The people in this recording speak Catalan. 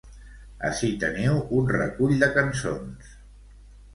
Ací teniu un recull de cançons.